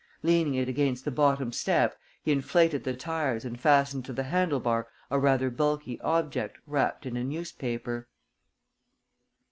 Leaning it against the bottom step, he inflated the tires and fastened to the handle bar a rather bulky object wrapped in a newspaper.